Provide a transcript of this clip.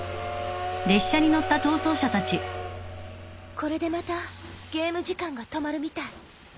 これでまたゲーム時間が止まるみたい。